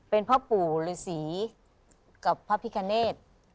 เป็นพ่อปู่ฤษีกับพระพิคเนธ